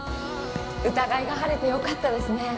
疑いが晴れてよかったですね